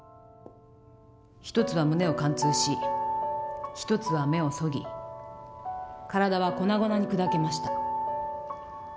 一つは胸を貫通し一つは目をそぎ体は粉々に砕けました。